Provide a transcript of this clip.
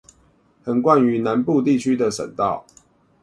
橫貫於南部地區的省道